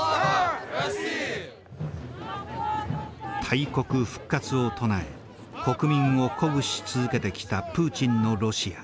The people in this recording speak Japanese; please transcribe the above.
大国復活を唱え国民を鼓舞し続けてきたプーチンのロシア。